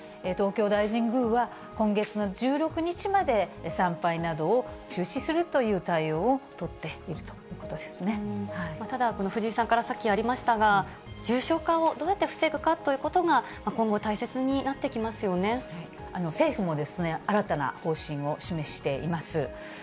東京大神宮は、今月の１６日まで参拝などを中止するという対応を取っているといただ、藤井さんからさっきありましたが、重症化をどうやって防ぐかということが、今後、大切になってきま政府も新たな方針を示しています。